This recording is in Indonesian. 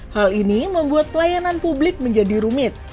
hal ini membuat pelayanan publik menjadi rumit